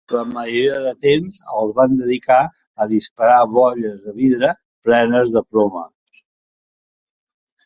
La majoria de temps el van dedicar a disparar bolles de vidre plenes de plomes.